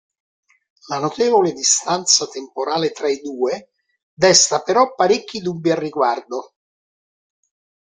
La notevole distanza temporale fra i due desta però parecchi dubbi al riguardo.